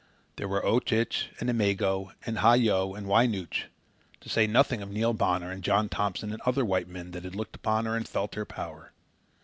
There were Oche Ish and Imego and Hah Yo and Wy Nooch, to say nothing of Neil Bonner and John Thompson and other white men that had looked upon her and felt her power.